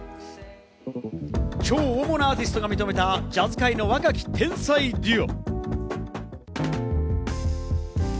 超大物アーティストが認めたジャズ界の若き天才デュオ。